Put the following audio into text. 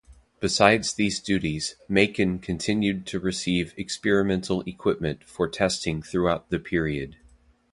Besides these duties, "Macon" continued to receive experimental equipment for testing throughout the period.